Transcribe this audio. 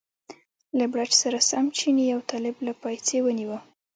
له بړچ سره سم چیني یو طالب له پایڅې ونیوه.